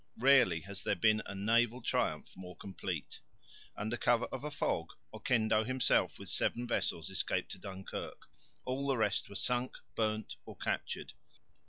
Rarely has there been a naval triumph more complete. Under cover of a fog Oquendo himself with seven vessels escaped to Dunkirk; all the rest were sunk, burnt, or captured.